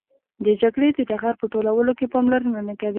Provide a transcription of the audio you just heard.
د جګړې د ټغر په ټولولو کې پاملرنه نه کوي.